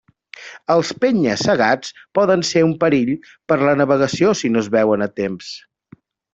Els penya-segats poden ser un perill per la navegació si no es veuen a temps.